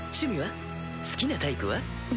好きなタイプは？